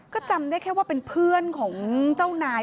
ก็จำได้แค่ว่าเป็นเพื่อนของเจ้านาย